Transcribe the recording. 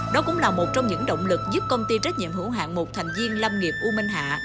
đó cũng là một trong những động lực giúp công ty trách nhiệm hữu hạng một thành viên lâm nghiệp u minh hạ